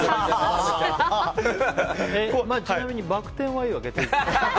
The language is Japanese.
ちなみに、バク転はいいわけ？